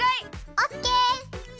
オッケー！